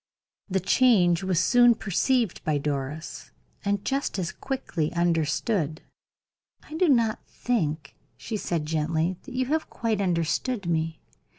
The change was soon perceived by Doris, and just as quickly understood. "I do not think," she said, gently, "that you have quite understood me.